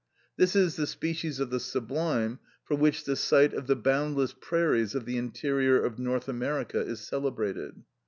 This is the species of the sublime for which the sight of the boundless prairies of the interior of North America is celebrated.